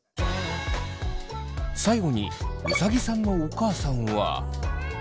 最後にうさぎさんのお母さんは。